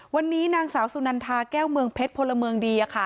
วันนี้นางสาวสุนันทาแก้วเมืองเพชรพลเมืองดี